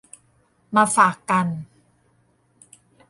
มาฝากกัน